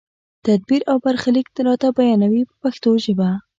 تدبیر او برخلیک راته بیانوي په پښتو ژبه.